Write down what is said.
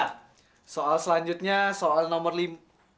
nah soal selanjutnya soal nomor lima